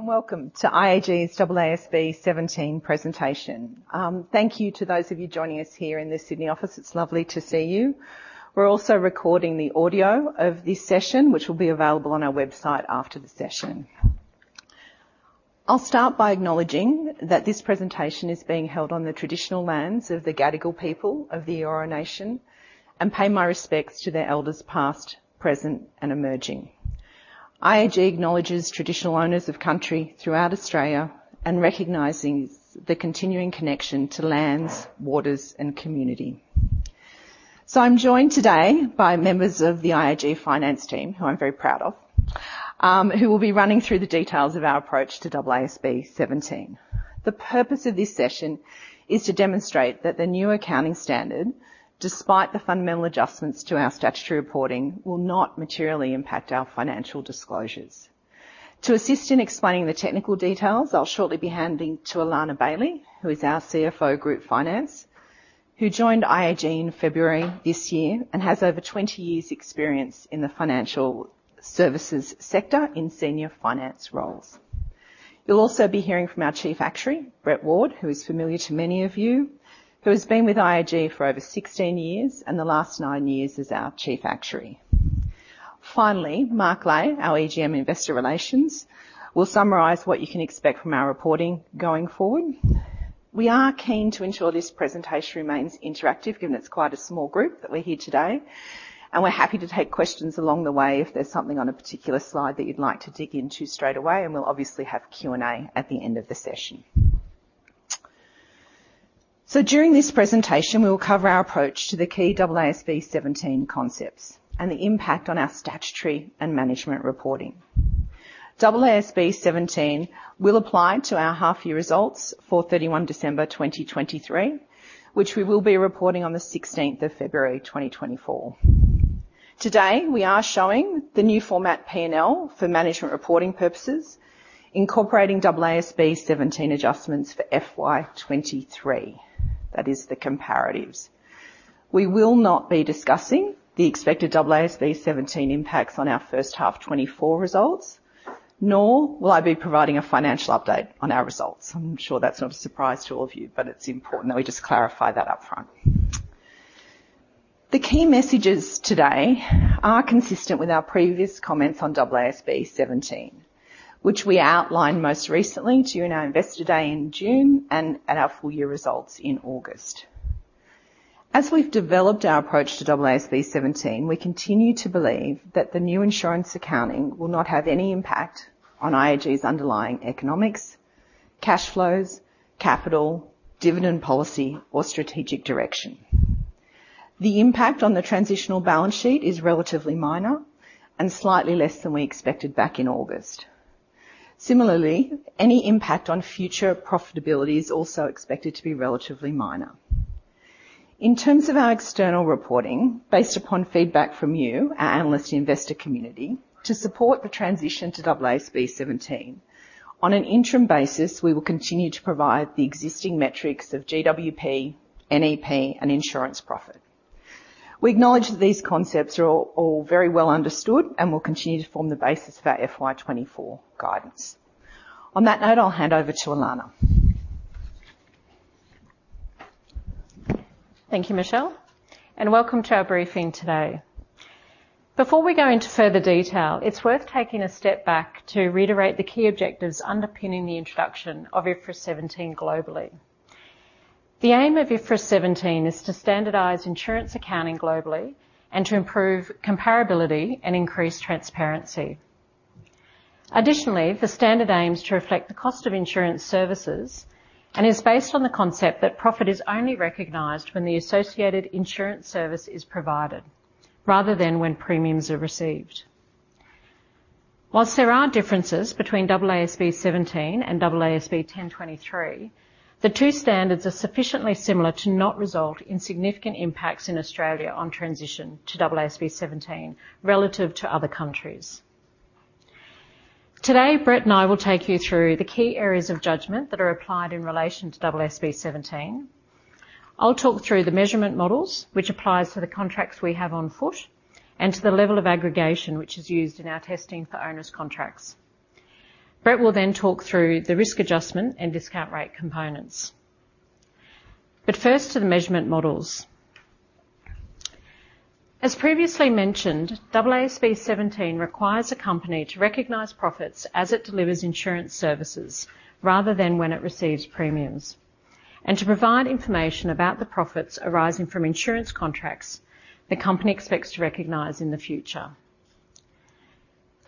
Welcome to IAG's AASB 17 presentation. Thank you to those of you joining us here in the Sydney office. It's lovely to see you. We're also recording the audio of this session, which will be available on our website after the session. I'll start by acknowledging that this presentation is being held on the traditional lands of the Gadigal people of the Eora Nation, and pay my respects to their elders past, present, and emerging. IAG acknowledges traditional owners of country throughout Australia and recognizes the continuing connection to lands, waters, and community. I'm joined today by members of the IAG finance team, who I'm very proud of, who will be running through the details of our approach to AASB 17 The purpose of this session is to demonstrate that the new accounting standard, despite the fundamental adjustments to our statutory reporting, will not materially impact our financial disclosures. To assist in explaining the technical details, I'll shortly be handing to Alana Bailey, who is our CFO Group Finance, who joined IAG in February this year, and has over 20 years' experience in the financial services sector in senior finance roles. You'll also be hearing from our Chief Actuary, Brett Ward, who is familiar to many of you, who has been with IAG for over 16 years, and the last nine years as our Chief Actuary. Finally, Mark Ley, our EGM Investor Relations, will summarize what you can expect from our reporting going forward. We are keen to ensure this presentation remains interactive, given it's quite a small group that we're here today, and we're happy to take questions along the way if there's something on a particular slide that you'd like to dig into straight away, and we'll obviously have Q&A at the end of the session. So during this presentation, we will cover our approach to the key AASB 17 concepts and the impact on our statutory and management reporting. AASB 17 will apply to our half year results for 31 December 2023, which we will be reporting on the 16th February 2024. Today, we are showing the new format P&L for management reporting purposes, incorporating AASB 17 adjustments for FY 2023. That is the comparatives. We will not be discussing the expected AASB 17 impacts on our first half 2024 results, nor will I be providing a financial update on our results. I'm sure that's not a surprise to all of you, but it's important that we just clarify that up front. The key messages today are consistent with our previous comments on AASB 17, which we outlined most recently to you in our Investor Day in June and at our full-year results in August. As we've developed our approach to AASB 17, we continue to believe that the new insurance accounting will not have any impact on IAG's underlying economics, cash flows, capital, dividend policy or strategic direction. The impact on the transitional balance sheet is relatively minor and slightly less than we expected back in August. Similarly, any impact on future profitability is also expected to be relatively minor. In terms of our external reporting, based upon feedback from you, our analyst investor community, to support the transition to AASB 17, on an interim basis, we will continue to provide the existing metrics of GWP, NEP, and insurance profit. We acknowledge that these concepts are all very well understood and will continue to form the basis of our FY 2024 guidance. On that note, I'll hand over to Alana. Thank you, Michelle, and welcome to our briefing today. Before we go into further detail, it's worth taking a step back to reiterate the key objectives underpinning the introduction of IFRS 17 globally. The aim of IFRS 17 is to standardize insurance accounting globally and to improve comparability and increase transparency. Additionally, the standard aims to reflect the cost of insurance services and is based on the concept that profit is only recognized when the associated insurance service is provided, rather than when premiums are received. While there are differences between AASB 17 and AASB 1023, the two standards are sufficiently similar to not result in significant impacts in Australia on transition to AASB 17 relative to other countries. Today, Brett and I will take you through the key areas of judgment that are applied in relation to AASB 17. I'll talk through the measurement models, which applies to the contracts we have on foot, and to the level of aggregation, which is used in our testing for onerous contracts. Brett will then talk through the risk adjustment and discount rate components. But first, to the measurement models. As previously mentioned, AASB 17 requires a company to recognize profits as it delivers insurance services, rather than when it receives premiums, and to provide information about the profits arising from insurance contracts the company expects to recognize in the future.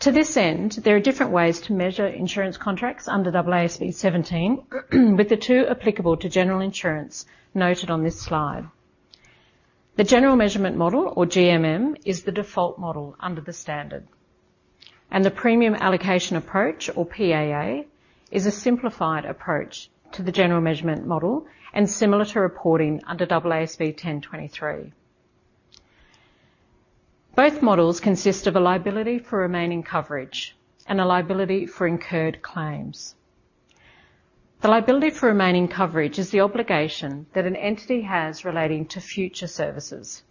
To this end, there are different ways to measure insurance contracts under AASB 17, with the two applicable to general insurance noted on this slide. The General Measurement Model, or GMM, is the default model under the standard, and the Premium Allocation Approach, or PAA, is a simplified approach to the General Measurement Model and similar to reporting under AASB 1023. Both models consist of a liability for remaining coverage and a liability for incurred claims. The liability for remaining coverage is the obligation that an entity has relating to future services,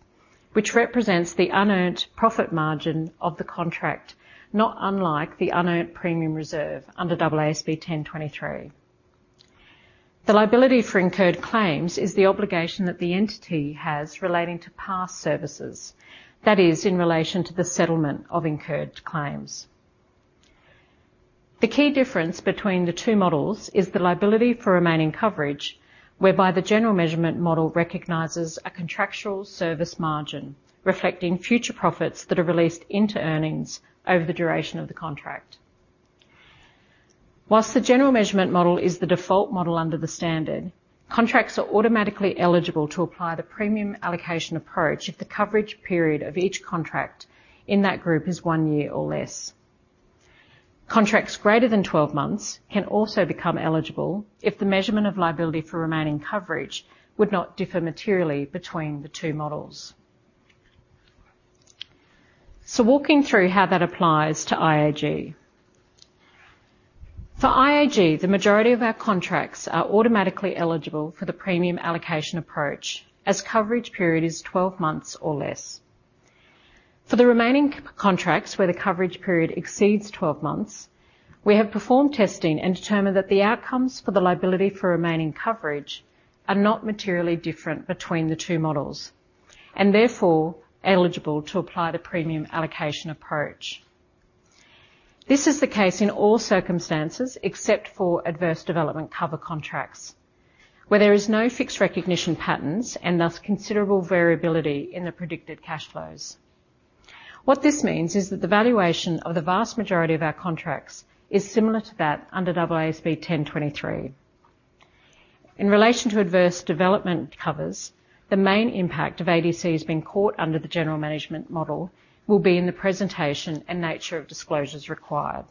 which represents the unearned profit margin of the contract, not unlike the unearned premium reserve under AASB 1023. The liability for incurred claims is the obligation that the entity has relating to past services, that is in relation to the settlement of incurred claims. The key difference between the two models is the liability for remaining coverage, whereby the general measurement model recognizes a contractual service margin, reflecting future profits that are released into earnings over the duration of the contract. Whilst the general measurement model is the default model under the standard, contracts are automatically eligible to apply the premium allocation approach if the coverage period of each contract in that group is one year or less. Contracts greater than 12 months can also become eligible if the measurement of liability for remaining coverage would not differ materially between the two models. So walking through how that applies to IAG. For IAG, the majority of our contracts are automatically eligible for the premium allocation approach as coverage period is 12 months or less. For the remaining contracts where the coverage period exceeds 12 months, we have performed testing and determined that the outcomes for the liability for remaining coverage are not materially different between the two models, and therefore eligible to apply the premium allocation approach. This is the case in all circumstances, except for adverse development cover contracts, where there is no fixed recognition patterns and thus considerable variability in the predicted cash flows. What this means is that the valuation of the vast majority of our contracts is similar to that under AASB 1023. In relation to adverse development covers, the main impact of ADC has been caught under the general measurement model will be in the presentation and nature of disclosures required.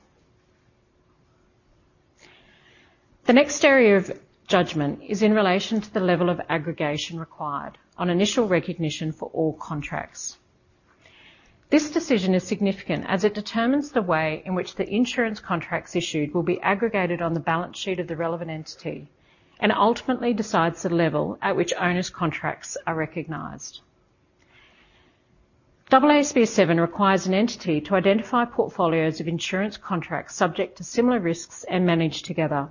The next area of judgment is in relation to the level of aggregation required on initial recognition for all contracts. This decision is significant as it determines the way in which the insurance contracts issued will be aggregated on the balance sheet of the relevant entity and ultimately decides the level at which onerous contracts are recognized. AASB 17 requires an entity to identify portfolios of insurance contracts subject to similar risks and managed together,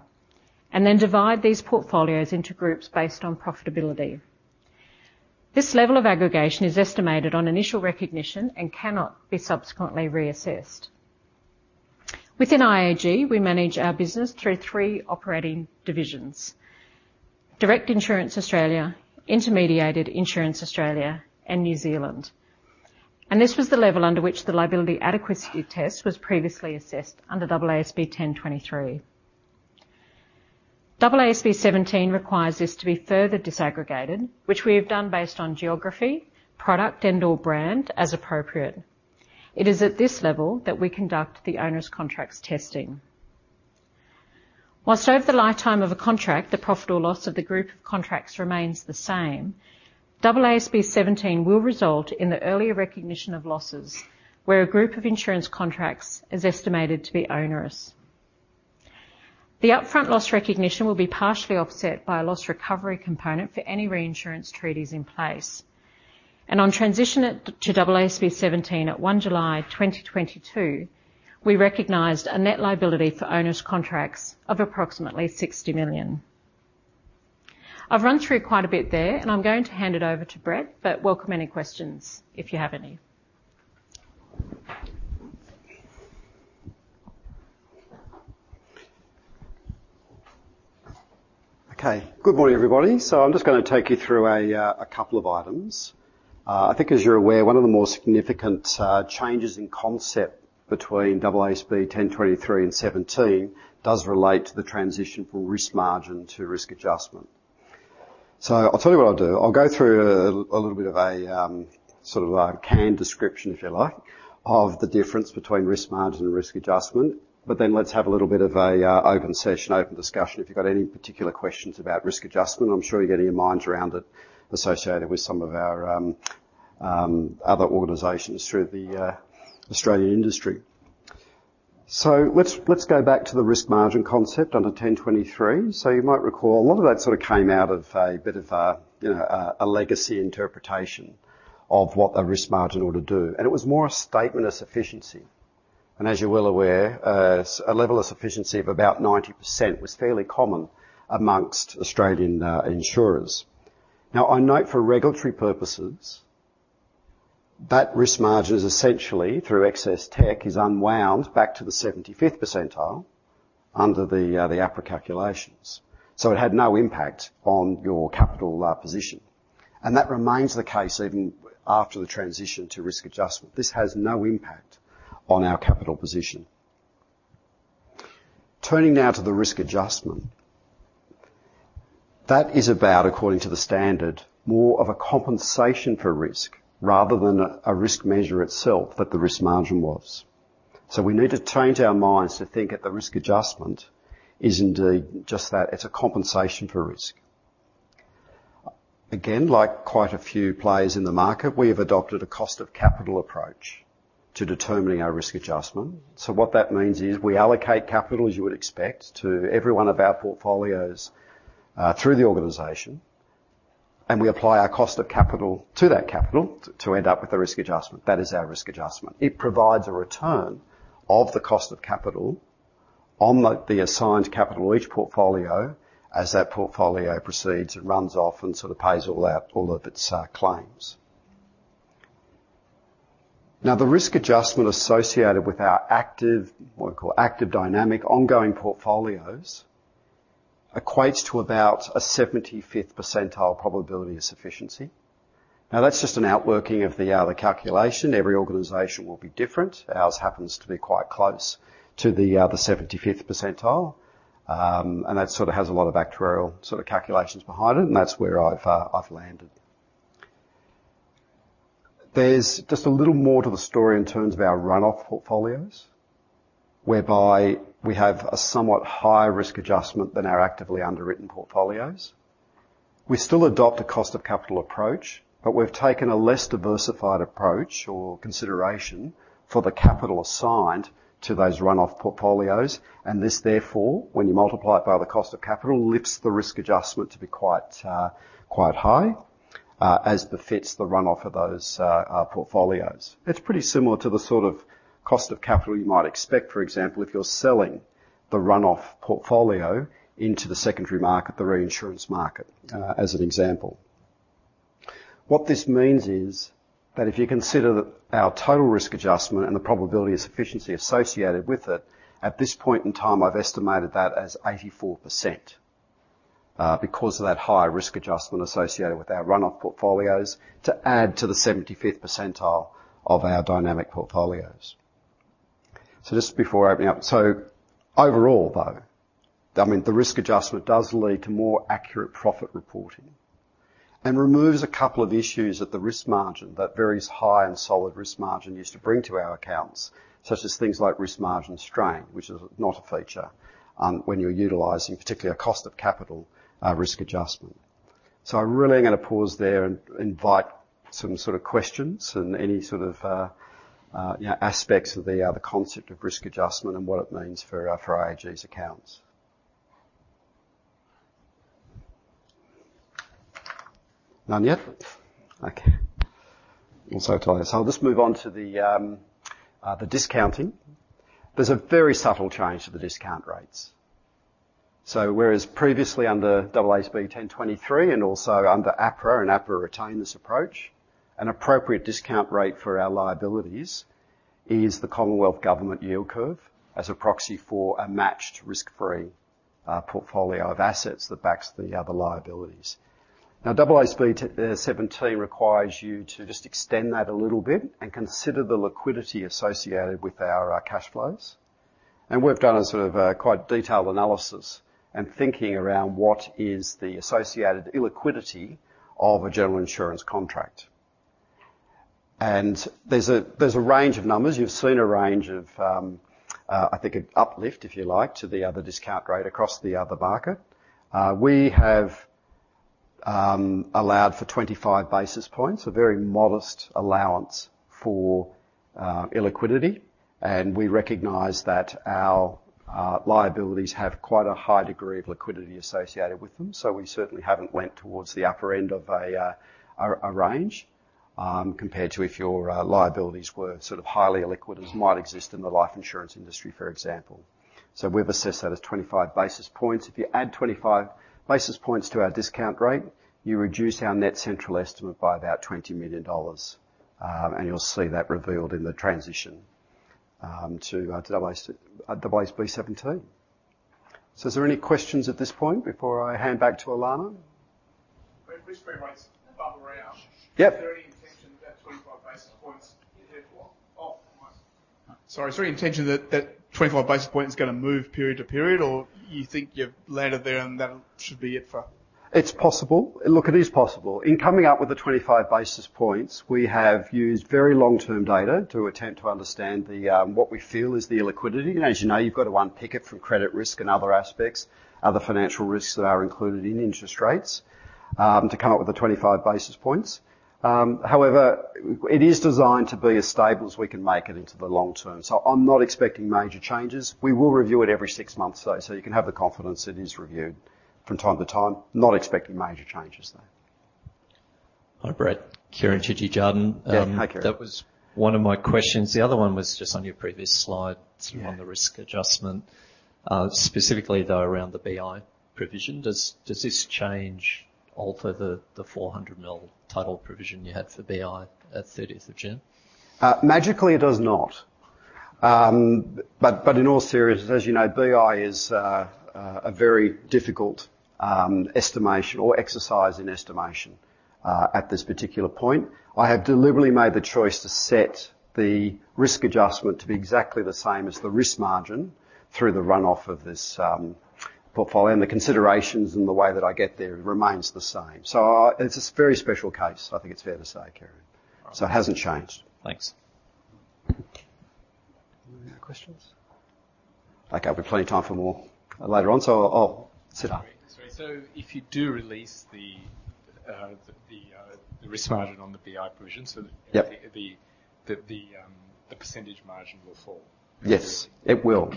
and then divide these portfolios into groups based on profitability. This level of aggregation is estimated on initial recognition and cannot be subsequently reassessed. Within IAG, we manage our business through three operating divisions: Direct Insurance Australia, Intermediated Insurance Australia and New Zealand. This was the level under which the Liability Adequacy Test was previously assessed under AASB 1023. AASB 17 requires this to be further disaggregated, which we have done based on geography, product, and/or brand as appropriate. It is at this level that we conduct the onerous contracts testing. While over the lifetime of a contract, the profit or loss of the group of contracts remains the same, AASB 17 will result in the earlier recognition of losses where a group of insurance contracts is estimated to be onerous. The upfront loss recognition will be partially offset by a loss recovery component for any reinsurance treaties in place. On transition to AASB 17 at 1 st July 2022, we recognized a net liability for onerous contracts of approximately 60 million. I've run through quite a bit there, and I'm going to hand it over to Brett, but welcome any questions if you have any. Okay. Good morning, everybody. So I'm just going to take you through a couple of items. I think as you're aware, one of the more significant changes in concept between AASB 1023 and 17 does relate to the transition from risk margin to risk adjustment. So I'll tell you what I'll do. I'll go through a little bit of a sort of a canned description, if you like, of the difference between risk margin and risk adjustment, but then let's have a little bit of a open session, open discussion. If you've got any particular questions about risk adjustment, I'm sure you're getting your minds around it associated with some of our other organizations through the Australian industry. So let's go back to the risk margin concept under 1023. So you might recall a lot of that sort of came out of a bit of a, you know, legacy interpretation of what a risk margin ought to do, and it was more a statement of sufficiency. And as you're well aware, a level of sufficiency of about 90% was fairly common amongst Australian insurers. Now, I note for regulatory purposes, that risk margin is essentially through excess tech is unwound back to the 75th percentile under the APRA calculations. So it had no impact on your capital position, and that remains the case even after the transition to risk adjustment. This has no impact on our capital position. Turning now to the risk adjustment, that is about, according to the standard, more of a compensation for risk rather than a risk measure itself that the risk margin was. We need to change our minds to think that the risk adjustment is indeed just that. It's a compensation for risk. Again, like quite a few players in the market, we have adopted a cost of capital approach to determining our risk adjustment. What that means is we allocate capital, as you would expect, to every one of our portfolios through the organization, and we apply our cost of capital to that capital to end up with a risk adjustment. That is our risk adjustment. It provides a return of the cost of capital on the assigned capital of each portfolio as that portfolio proceeds and runs off and sort of pays all out all of its claims. Now, the risk adjustment associated with our active, what we call active dynamic ongoing portfolios, equates to about a 75th percentile probability of sufficiency. Now, that's just an outworking of the, the calculation. Every organization will be different. Ours happens to be quite close to the, the 75th percentile, and that sort of has a lot of actuarial sort of calculations behind it, and that's where I've, I've landed. There's just a little more to the story in terms of our run-off portfolios, whereby we have a somewhat higher risk adjustment than our actively underwritten portfolios. We still adopt a cost of capital approach, but we've taken a less diversified approach or consideration for the capital assigned to those run-off portfolios, and this, therefore, when you multiply it by the cost of capital, lifts the risk adjustment to be quite, quite high, as befits the run-off of those, portfolios. It's pretty similar to the sort of cost of capital you might expect, for example, if you're selling the run-off portfolio into the secondary market, the reinsurance market, as an example. What this means is that if you consider that our total risk adjustment and the probability of sufficiency associated with it, at this point in time, I've estimated that as 84%, because of that higher risk adjustment associated with our run-off portfolios to add to the 75th percentile of our dynamic portfolios. So just before opening up, so overall, though, I mean, the risk adjustment does lead to more accurate profit reporting and removes a couple of issues that the risk margin, that very high and solid risk margin used to bring to our accounts, such as things like risk margin strain, which is not a feature, when you're utilizing, particularly a cost of capital, risk adjustment. So I really am going to pause there and invite some sort of questions and any sort of, you know, aspects of the, the concept of risk adjustment and what it means for, for IAG's accounts. None yet? Okay. Also, so I'll just move on to the, the discounting. There's a very subtle change to the discount rates. So whereas previously under AASB 1023 and also under APRA, and APRA retained this approach, an appropriate discount rate for our liabilities is the Commonwealth Government Yield Curve as a proxy for a matched risk-free portfolio of assets that backs the other liabilities. Now, AASB 17 requires you to just extend that a little bit and consider the liquidity associated with our cash flows. And we've done a sort of quite detailed analysis and thinking around what is the associated illiquidity of a general insurance contract. And there's a range of numbers. You've seen a range of, I think an uplift, if you like, to the other discount rate across the other market. We have allowed for 25 basis points, a very modest allowance for illiquidity, and we recognize that our liabilities have quite a high degree of liquidity associated with them. So we certainly haven't went towards the upper end of a range, compared to if your liabilities were sort of highly illiquid, as might exist in the life insurance industry for example. So we've assessed that as 25 basis points. If you add 25 basis points to our discount rate, you reduce our net central estimate by about 20 million dollars, and you'll see that revealed in the transition to AASB 17. So is there any questions at this point before I hand back to Alana? Risk-free rates above or out- Yep. Is there any intention that 25 basis points therefore. Oh, sorry. Sorry, is there any intention that, that 25 basis point is going to move period to period, or you think you've landed there, and that should be it for? It's possible. Look, it is possible. In coming up with the 25 basis points, we have used very long-term data to attempt to understand the, what we feel is the illiquidity. And as you know, you've got to unpick it from credit risk and other aspects, other financial risks that are included in interest rates, to come up with the 25 basis points. However, it is designed to be as stable as we can make it into the long term, so I'm not expecting major changes. We will review it every six months, though, so you can have the confidence it is reviewed from time to time. Not expecting major changes, though. Hi, Brett. Kieran Chidgey, Jarden. Yeah. Hi, Kieran. That was one of my questions. The other one was just on your previous slide- Yeah on the risk adjustment, specifically though, around the BI provision. Does this change alter the 400 million total provision you had for BI at thirtieth of June? Magically, it does not. But, but in all seriousness, as you know, BI is a very difficult estimation or exercise in estimation at this particular point. I have deliberately made the choice to set the risk adjustment to be exactly the same as the risk margin through the run-off of this portfolio, and the considerations and the way that I get there remains the same. So it's a very special case, I think it's fair to say, Kieran. All right. It hasn't changed. Thanks. questions? Okay, I've got plenty of time for more later on, so I'll sit up. Sorry. So if you do release the risk margin on the BI provision, so Yep. The percentage margin will fall? Yes, it will.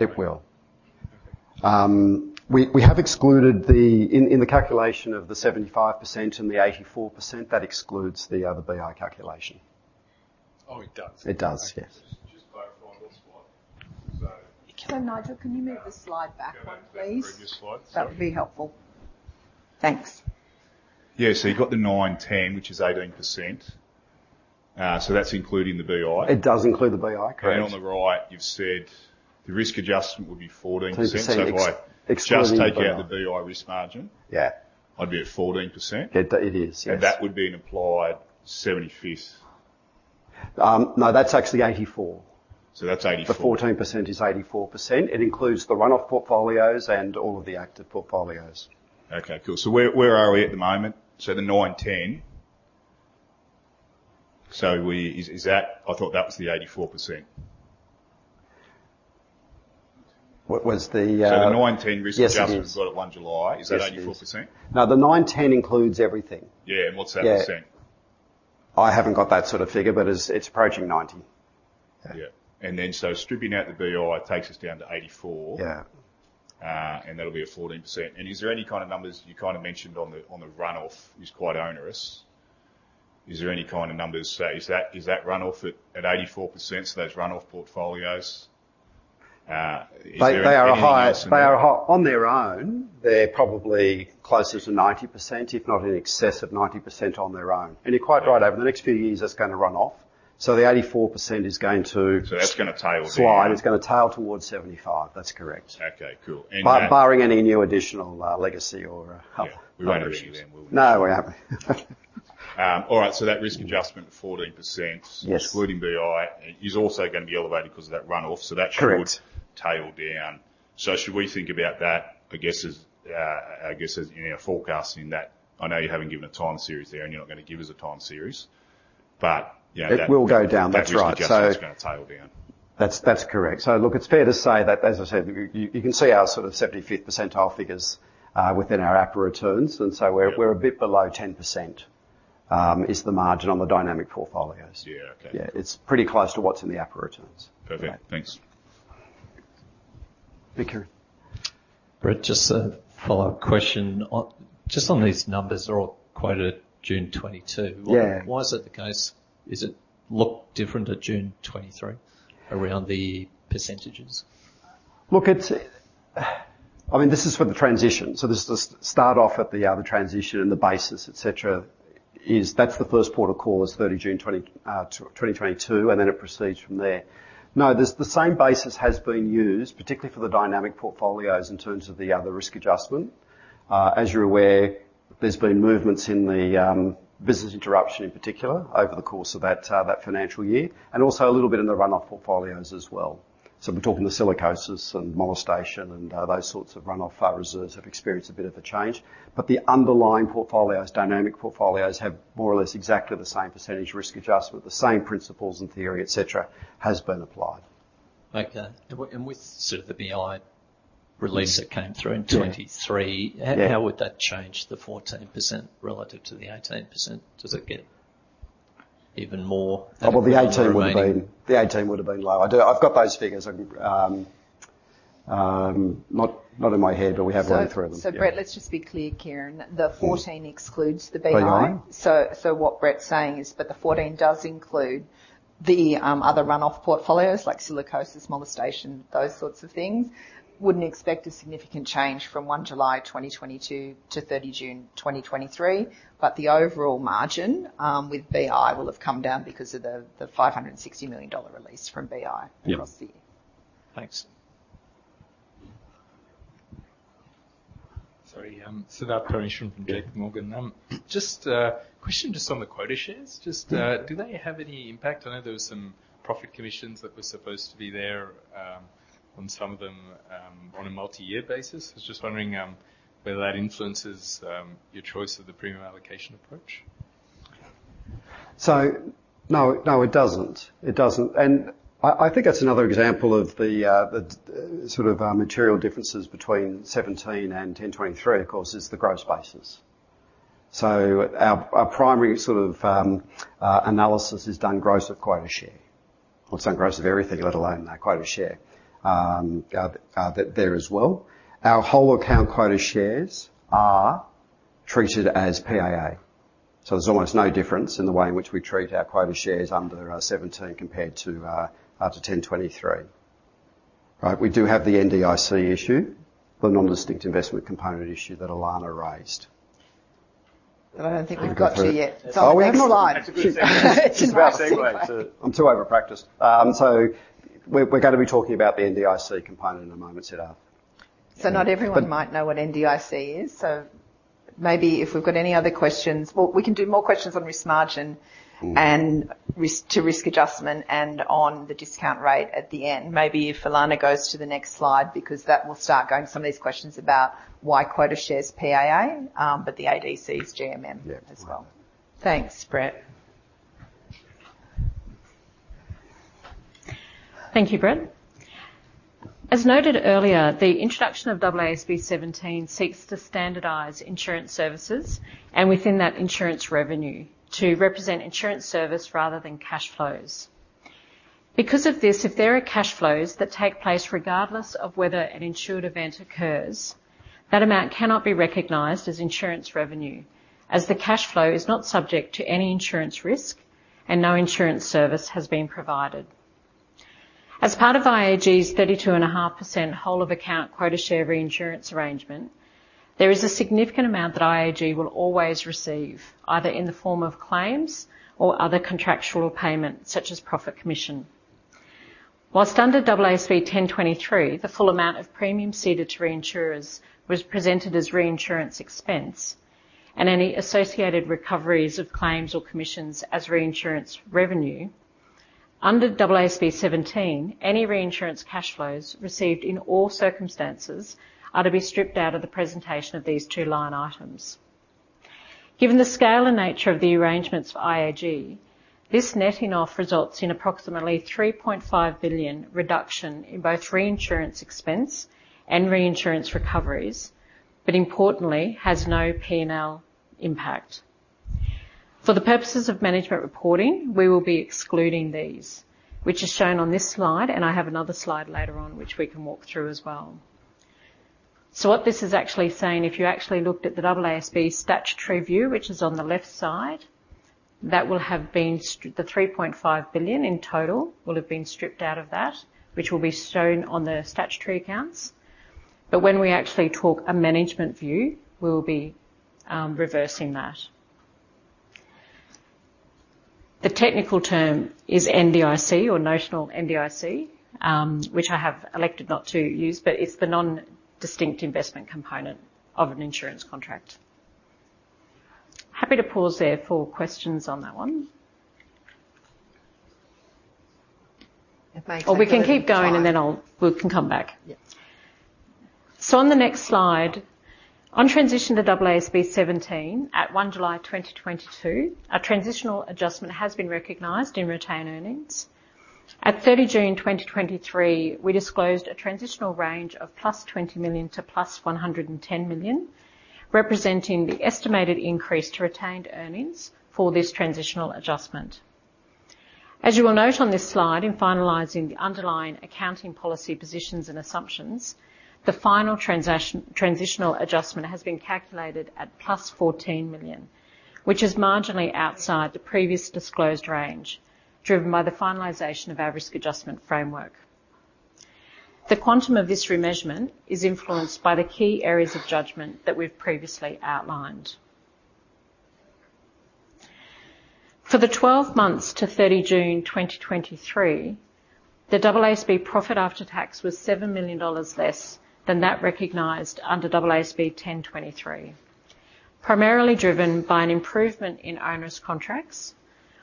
It will. Okay. We have excluded the... In the calculation of the 75% and the 84%, that excludes the BI calculation. Oh, it does. It does, yes. Just clarify this one. So- So Nigel, can you move the slide back one, please? Go back to that previous slide. That would be helpful. Thanks. Yeah, so you've got the 9/10, which is 18%. So that's including the BI? It does include the BI, correct. On the right, you've said the risk adjustment would be 14%. Fourteen percent. So if I- Excluding BI... just take out the BI risk margin- Yeah... I'd be at 14%? It is, yes. That would be an applied 75th. No, that's actually 84. That's 84. The 14% is 84%. It includes the run-off portfolios and all of the active portfolios. Okay, cool. So where are we at the moment? So the nine to 10. Is that - I thought that was the 84%. What was the So the 9/10 risk- Yes, it is. adjustment we've got at 1st July, is that 84%? No, the 9/10 includes everything. Yeah, what's that %? Yeah. I haven't got that sort of figure, but it's, it's approaching 90. Yeah. Stripping out the BI takes us down to 84. Yeah. And that'll be at 14%. And is there any kind of numbers you kind of mentioned on the, on the run-off is quite onerous? Is there any kind of numbers, say, is that, is that run-off at, at 84%, so those run-off portfolios, is there any- They, they are high. They are high. On their own, they're probably closer to 90%, if not in excess of 90% on their own. And you're quite right, over the next few years, that's going to run off. So the 84% is going to- That's going to tail down. Slide. It's going to tail towards 75. That's correct. Okay, cool. And that- Barring any new additional legacy or issues. Yeah, we won't have any of them, will we? No, we haven't. All right, so that risk adjustment, 14%- Yes... excluding BI, is also going to be elevated because of that run-off, so that should- Correct... tail down. So should we think about that, I guess, as, I guess, as in a forecasting that... I know you haven't given a time series there, and you're not going to give us a time series, but, you know, that- It will go down. That's right, so- That risk adjustment is going to tail down. That's, that's correct. So look, it's fair to say that, as I said, you, you can see our sort of 75th percentile figures within our APRA returns, and so we're- Yeah... we're a bit below 10% is the margin on the dynamic portfolios. Yeah, okay. Yeah. It's pretty close to what's in the APRA returns. Perfect. Thanks. Thank you. Brett, just a follow-up question. Just on these numbers, are all quoted June 2022. Yeah. Why, why is it the case? Is it look different at June 2023 around the percentages? Look, it's. I mean, this is for the transition, so this is to start off at the, the transition and the basis, et cetera, is that's the first port of call is 30 June 2022, and then it proceeds from there. No, this, the same basis has been used, particularly for the dynamic portfolios in terms of the, the risk adjustment. As you're aware, there's been movements in the, business interruption, in particular, over the course of that, that financial year, and also a little bit in the run-off portfolios as well. So we're talking the Silicosis and molestation and, those sorts of run-off, reserves have experienced a bit of a change, but the underlying portfolios, dynamic portfolios, have more or less exactly the same percentage risk adjustment, the same principles and theory, et cetera, has been applied. Okay. And with sort of the BI release that came through in 2023- Yeah. How, how would that change the 14% relative to the 18%? Does it get even more- Oh, well, the 18 would have been- The 18 remaining. The eighteen would have been lower. I do, I've got those figures. Not in my head, but we have went through them. So, so Brett, let's just be clear, Kieran. Yeah. The 14 excludes the BI. BI. What Brett's saying is, but the 14 does include the other run-off portfolios, like silicosis, molestation, those sorts of things. Wouldn't expect a significant change from 1 July 2022 to 30 June 2023, but the overall margin with BI will have come down because of the 560 million dollar release from BI- Yep.... across the year. Thanks. Sorry, Siddharth Krishnan from JP Morgan. Just a question just on the quota shares. Just, do they have any impact? I know there was some profit commissions that were supposed to be there, on some of them, on a multi-year basis. I was just wondering, whether that influences, your choice of the premium allocation approach. So no, no, it doesn't. It doesn't. And I, I think that's another example of the, the, sort of, material differences between seventeen and ten twenty-three, of course, is the gross basis. So our, our primary sort of, analysis is done gross of quota share. Well, it's done gross of everything, let alone quota share. That there as well. Our whole account quota shares are treated as PAA, so there's almost no difference in the way in which we treat our quota shares under, seventeen compared to, up to ten twenty-three. Right, we do have the NDIC issue, the non-distinct investment component issue that Alana raised. But I don't think we've got to yet. Oh, are we? Next slide. That's a good segue to- I'm too over practiced. So we're, we're gonna be talking about the NDIC component in a moment, Siddharth. So not everyone might know what NDIC is, so maybe if we've got any other questions... Well, we can do more questions on risk margin... Mm. and risk, to risk adjustment and on the discount rate at the end. Maybe if Alana goes to the next slide, because that will start going to some of these questions about why quota shares PAA, but the ADC is GMM as well. Yeah. Thanks, Brett. Thank you, Brett. As noted earlier, the introduction of AASB 17 seeks to standardize insurance services and within that insurance revenue to represent insurance service rather than cash flows. Because of this, if there are cash flows that take place, regardless of whether an insured event occurs, that amount cannot be recognized as insurance revenue, as the cash flow is not subject to any insurance risk and no insurance service has been provided. As part of IAG's 32.5% whole-of-account quota share reinsurance arrangement, there is a significant amount that IAG will always receive, either in the form of claims or other contractual payment, such as profit commission. Whilst under AASB 1023, the full amount of premium ceded to reinsurers was presented as reinsurance expense and any associated recoveries of claims or commissions as reinsurance revenue, under AASB 17, any reinsurance cash flows received in all circumstances are to be stripped out of the presentation of these two line items. Given the scale and nature of the arrangements for IAG, this netting off results in approximately 3.5 billion reduction in both reinsurance expense and reinsurance recoveries, but importantly, has no P&L impact. For the purposes of management reporting, we will be excluding these, which is shown on this slide, and I have another slide later on which we can walk through as well. So what this is actually saying, if you actually looked at the AASB statutory view, which is on the left side, that will have been st, The 3.5 billion in total will have been stripped out of that, which will be shown on the statutory accounts. But when we actually talk a management view, we will be reversing that. The technical term is NDIC or notional NDIC, which I have elected not to use, but it's the non-distinct investment component of an insurance contract. Happy to pause there for questions on that one. If I- Or we can keep going, and then I'll... We can come back. Yes. So on the next slide, on transition to AASB 17, at 1st July 2022, a transitional adjustment has been recognized in retained earnings. At 30 June 2023, we disclosed a transitional range of +20 million to +110 million, representing the estimated increase to retained earnings for this transitional adjustment. As you will note on this slide, in finalizing the underlying accounting policy positions and assumptions, the final transitional adjustment has been calculated at +14 million, which is marginally outside the previous disclosed range, driven by the finalization of our risk adjustment framework. The quantum of this remeasurement is influenced by the key areas of judgment that we've previously outlined. For the 12 months to 30 June 2023, the AASB profit after tax was 7 million dollars less than that recognized under AASB 1023, primarily driven by an improvement in onerous contracts,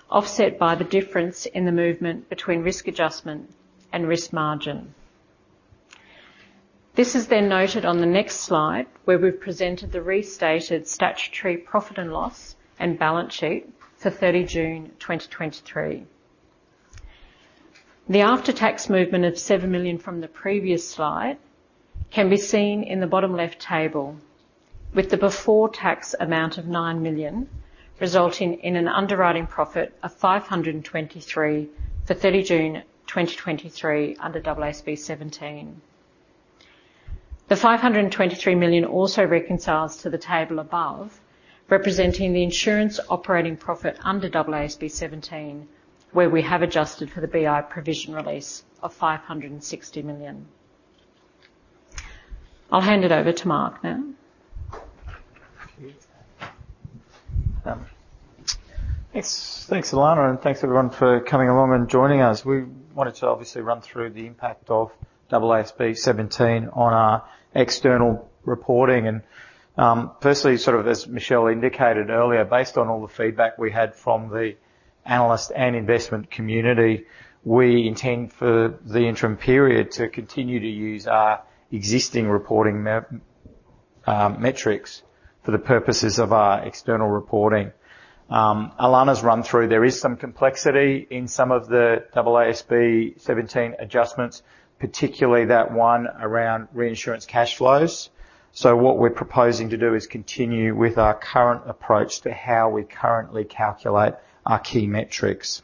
offset by the difference in the movement between risk adjustment and risk margin. This is then noted on the next slide, where we've presented the restated statutory profit and loss and balance sheet for 30 June 2023. The after-tax movement of 7 million from the previous slide can be seen in the bottom left table, with the before tax amount of 9 million, resulting in an underwriting profit of 523 million for 30 June 2023 under AASB 17. The 523 million also reconciles to the table above, representing the insurance operating profit under AASB 17, where we have adjusted for the BI provision release of 560 million. I'll hand it over to Mark now. Thank you. Thanks, thanks, Alana, and thanks, everyone, for coming along and joining us. We wanted to obviously run through the impact of AASB 17 on our external reporting. Firstly, sort of as Michelle indicated earlier, based on all the feedback we had from the analyst and investment community, we intend for the interim period to continue to use our existing reporting metrics for the purposes of our external reporting. Alana's run through there is some complexity in some of the AASB 17 adjustments, particularly that one around reinsurance cash flows. So what we're proposing to do is continue with our current approach to how we currently calculate our key metrics.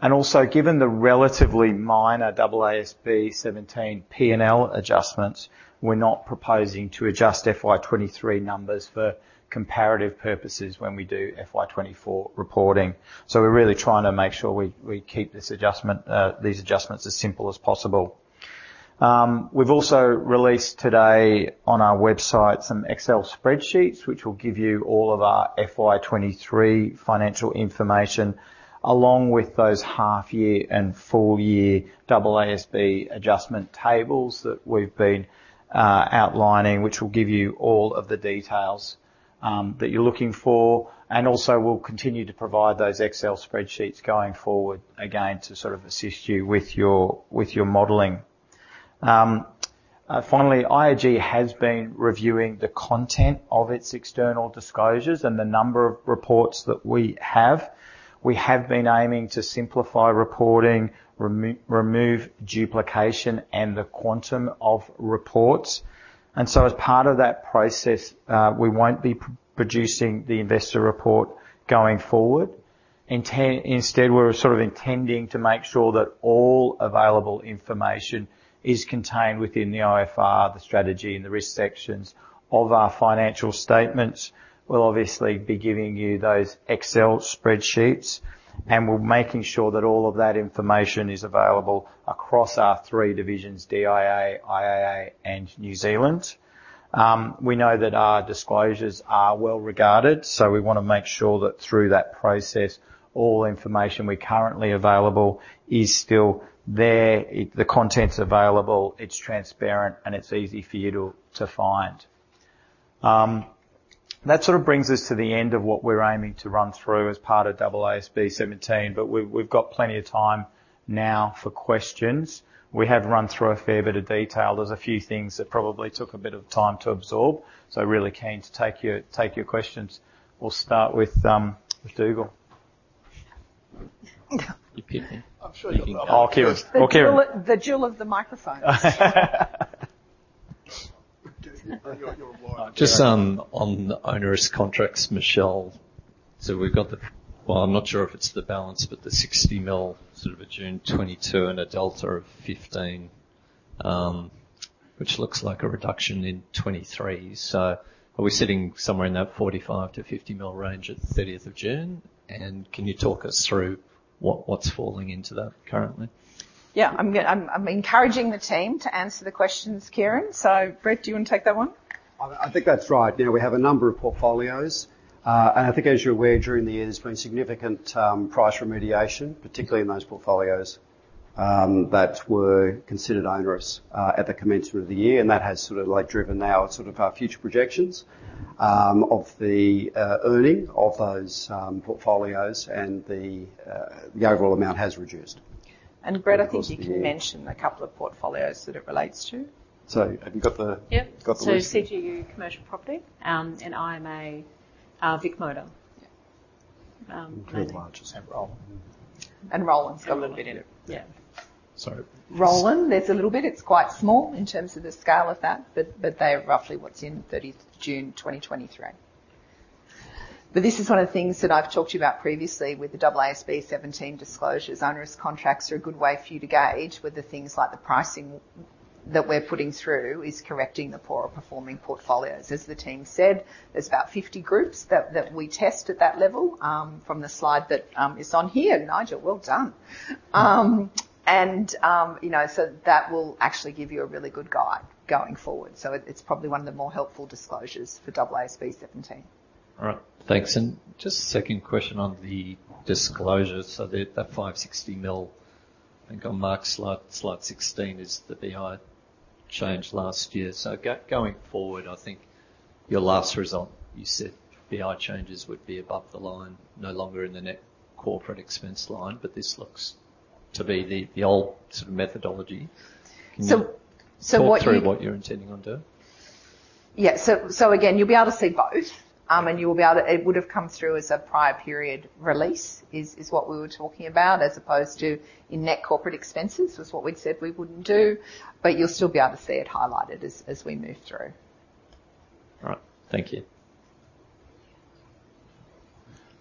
And also, given the relatively minor AASB 17 P&L adjustments, we're not proposing to adjust FY 2023 numbers for comparative purposes when we do FY 2024 reporting. So we're really trying to make sure we keep this adjustment, these adjustments as simple as possible. We've also released today on our website some Excel spreadsheets, which will give you all of our FY 2023 financial information, along with those half year and full-year AASB adjustment tables that we've been outlining, which will give you all of the details that you're looking for. And also, we'll continue to provide those Excel spreadsheets going forward, again, to sort of assist you with your, with your modeling. Finally, IAG has been reviewing the content of its external disclosures and the number of reports that we have. We have been aiming to simplify reporting, remove duplication, and the quantum of reports. And so as part of that process, we won't be producing the investor report going forward. Instead, we're sort of intending to make sure that all available information is contained within the IFR, the strategy, and the risk sections of our financial statements. We'll obviously be giving you those Excel spreadsheets, and we're making sure that all of that information is available across our three divisions: DIA, IAA, and New Zealand. We know that our disclosures are well regarded, so we want to make sure that through that process, all information we currently available is still there, it, the content's available, it's transparent, and it's easy for you to find. That sort of brings us to the end of what we're aiming to run through as part of AASB 17, but we've got plenty of time now for questions. We have run through a fair bit of detail. There's a few things that probably took a bit of time to absorb, so really keen to take your questions. We'll start with Dougal. You picked me? I'm sure you Kieran. The duel, the duel of the microphones. You're more- Just, on onerous contracts, Michelle. So we've got the... Well, I'm not sure if it's the balance, but the 60 million, sort of a June 2022 and a delta of 15 million, which looks like a reduction in 2023. So are we sitting somewhere in that 45 million-50 million range at the thirtieth of June? And can you talk us through what, what's falling into that currently? Yeah. I'm encouraging the team to answer the questions, Kieran. So, Brett, do you want to take that one? I think that's right. Now, we have a number of portfolios. And I think, as you're aware, during the year, there's been significant price remediation, particularly in those portfolios that were considered onerous at the commencement of the year, and that has sort of like driven now sort of our future projections of the earning of those portfolios, and the overall amount has reduced. Brett, I think you can mention a couple of portfolios that it relates to. So, have you got the- Yeah. Got the list? CGU commercial property, and IMA, Vic Motor. Yeah. Large is have Roland. Roland's got a bit in it. Yeah. Sorry. Roland, there's a little bit. It's quite small in terms of the scale of that, but they are roughly what's in 30th June 2023. But this is one of the things that I've talked to you about previously with the AASB 17 disclosures. Onerous contracts are a good way for you to gauge whether things like the pricing that we're putting through is correcting the poor-performing portfolios. As the team said, there's about 50 groups that we test at that level from the slide that is on here. Nigel, well done. And you know, so that will actually give you a really good guide going forward. So it's probably one of the more helpful disclosures for AASB 17. All right. Thanks. And just a second question on the disclosures. So the 560 million, I think on Mark's slide 16, is the BI change last year. So going forward, I think your last result, you said BI changes would be above the line, no longer in the net corporate expense line, but this looks to be the old sort of methodology. So, what you Talk through what you're intending on doing. Yeah. So, so again, you'll be able to see both, and you will be able to... It would have come through as a prior period release, is, is what we were talking about, as opposed to in net corporate expenses, was what we said we wouldn't do, but you'll still be able to see it highlighted as, as we move through. All right. Thank you.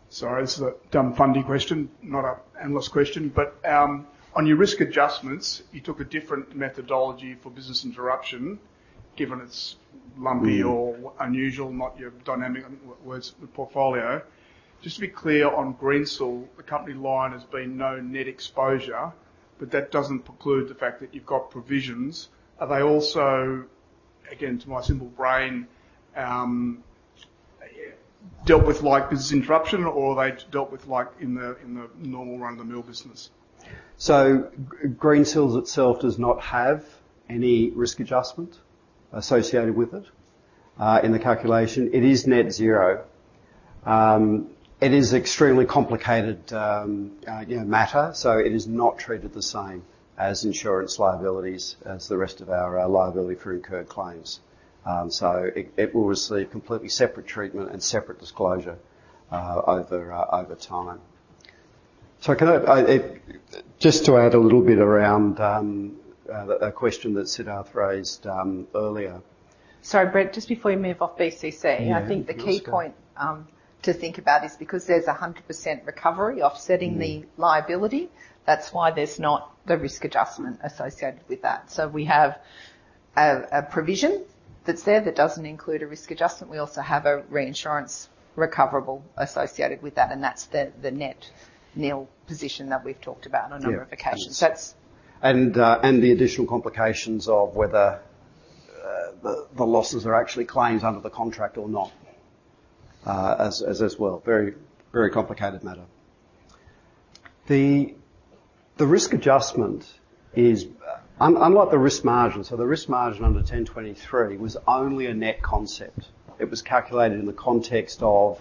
Sorry, this is a dumb funding question, not an analyst question, but on your risk adjustments, you took a different methodology for business interruption, given it's lumpy or unusual, not your dynamic words, the portfolio. Just to be clear, on Greensill, the company line has been no net exposure, but that doesn't preclude the fact that you've got provisions. Are they also, again, to my simple brain, dealt with like business interruption, or are they dealt with like in the, in the normal run-of-the-mill business? So Greensill itself does not have any risk adjustment associated with it, in the calculation. It is net zero. It is extremely complicated, you know, matter, so it is not treated the same as insurance liabilities as the rest of our liability for incurred claims. So it, it will receive completely separate treatment and separate disclosure, over, over time. So can I, if, Just to add a little bit around, a question that Siddharth raised, earlier. Sorry, Brett, just before you move off BCC- Yeah. I think the key point to think about is because there's 100% recovery offsetting the liability, that's why there's not a risk adjustment associated with that. So we have a provision that's there that doesn't include a risk adjustment. We also have a reinsurance recoverable associated with that, and that's the net nil position that we've talked about on a number of occasions. Yeah. That's- And the additional complications of whether the losses are actually claimed under the contract or not, as well. Very, very complicated matter. The risk adjustment is unlike the risk margin, so the risk margin under 1023 was only a net concept. It was calculated in the context of-...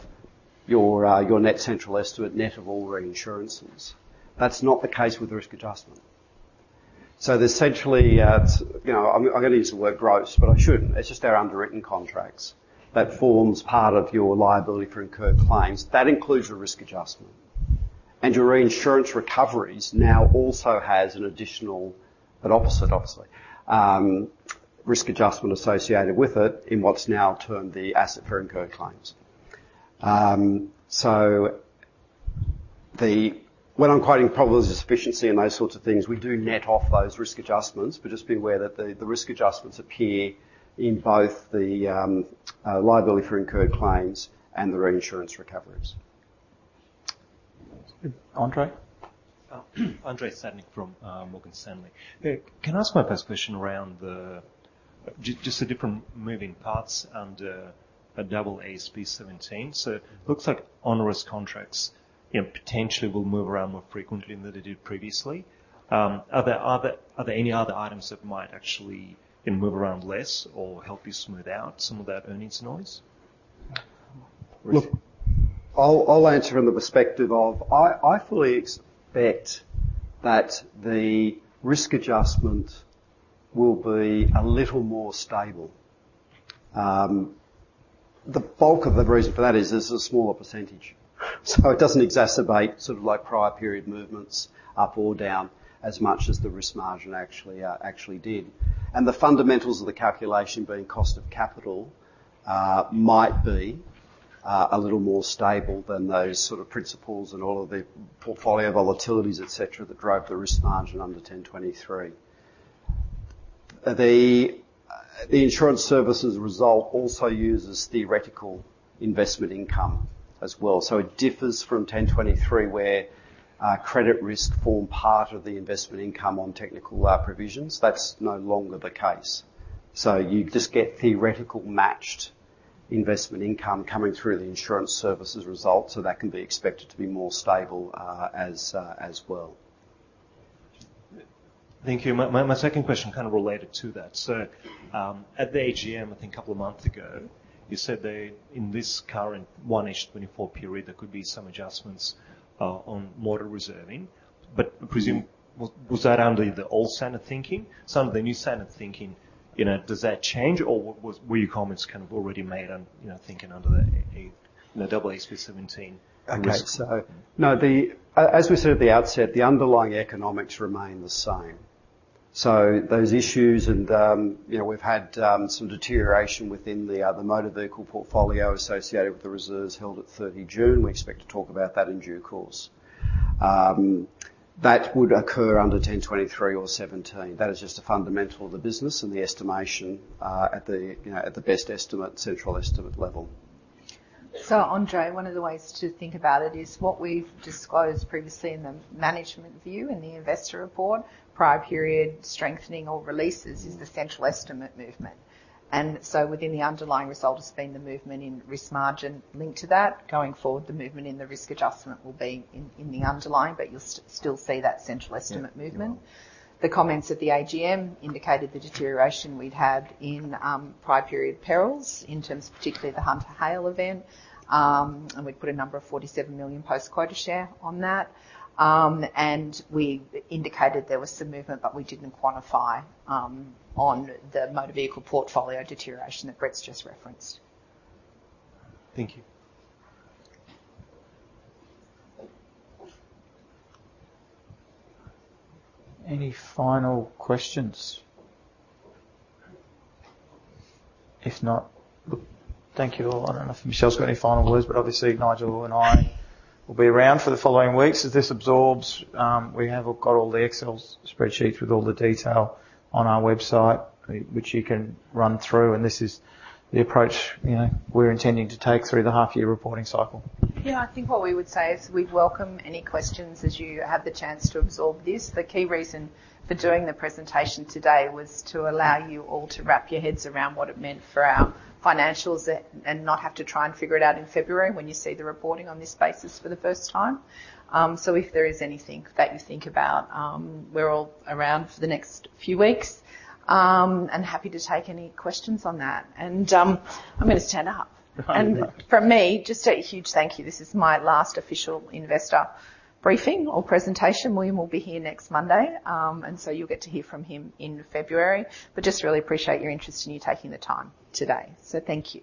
your net central estimate, net of all reinsurances. That's not the case with the Risk Adjustment. So essentially, you know, I'm gonna use the word gross, but I shouldn't. It's just our underwritten contracts that forms part of your Liability for Incurred Claims. That includes your Risk Adjustment. And your reinsurance recoveries now also has an additional, but opposite, obviously, Risk Adjustment associated with it in what's now termed the Asset for Incurred Claims. So, when I'm quoting Probability of Sufficiency and those sorts of things, we do net off those risk adjustments, but just be aware that the risk adjustments appear in both the Liability for Incurred Claims and the reinsurance recoveries. Andre? Andrei Stadnik from Morgan Stanley. Can I ask my first question around the, just, just the different moving parts under AASB 17? So it looks like onerous contracts, you know, potentially will move around more frequently than they did previously. Are there other... are there any other items that might actually, you know, move around less or help you smooth out some of that earnings noise? Look, I'll answer from the perspective of, I fully expect that the risk adjustment will be a little more stable. The bulk of the reason for that is it's a smaller percentage, so it doesn't exacerbate sort of like prior period movements up or down as much as the risk margin actually did. And the fundamentals of the calculation being cost of capital might be a little more stable than those sort of principles and all of the portfolio volatilities, et cetera, that drove the risk margin under 1023. The insurance services result also uses theoretical investment income as well. So it differs from 1023, where credit risk forms part of the investment income on technical provisions. That's no longer the case. So you just get theoretical matched investment income coming through the insurance services result, so that can be expected to be more stable, as well. Thank you. My second question kind of related to that. So, at the AGM, I think a couple of months ago, you said that in this current 2024 period, there could be some adjustments on motor reserving. But I presume that was under the old standard thinking? Some of the new standard thinking, you know, does that change, or what was... were your comments kind of already made on, you know, thinking under the, a, you know, AASB 17 risks? Okay. So no, as we said at the outset, the underlying economics remain the same. So those issues and, you know, we've had some deterioration within the other motor vehicle portfolio associated with the reserves held at 30 June. We expect to talk about that in due course. That would occur under 1023 or 17. That is just a fundamental of the business and the estimation, you know, at the best estimate, central estimate level. So, Andre, one of the ways to think about it is what we've disclosed previously in the management view, in the investor report, prior period strengthening or releases is the central estimate movement. Within the underlying result has been the movement in risk margin linked to that. Going forward, the movement in the risk adjustment will be in the underlying, but you'll still see that central estimate movement. Yeah. The comments at the AGM indicated the deterioration we'd had in prior period perils in terms of particularly the Hunter Hail event. And we'd put a number of 47 million post Quota Share on that. And we indicated there was some movement, but we didn't quantify on the motor vehicle portfolio deterioration that Brett's just referenced. Thank you. Any final questions? If not, look, thank you, all. I don't know if Michelle's got any final words, but obviously, Nigel and I will be around for the following weeks as this absorbs. We have got all the Excel spreadsheets with all the detail on our website, which you can run through, and this is the approach, you know, we're intending to take through the half year reporting cycle. Yeah, I think what we would say is we welcome any questions as you have the chance to absorb this. The key reason for doing the presentation today was to allow you all to wrap your heads around what it meant for our financials and, and not have to try and figure it out in February when you see the reporting on this basis for the first time. So if there is anything that you think about, we're all around for the next few weeks, and happy to take any questions on that. And, I'm going to stand up. And for me, just a huge thank you. This is my last official investor briefing or presentation. William will be here next Monday, and so you'll get to hear from him in February. But just really appreciate your interest and you taking the time today. Thank you.